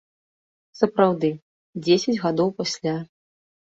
Сапраўды, дзесяць гадоў пасля.